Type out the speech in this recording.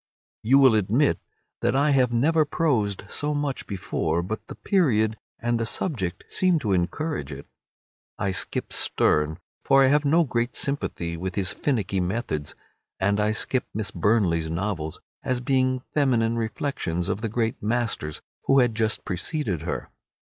You will admit that I have never prosed so much before, but the period and the subject seem to encourage it. I skip Sterne, for I have no great sympathy with his finicky methods. And I skip Miss Burney's novels, as being feminine reflections of the great masters who had just preceded her.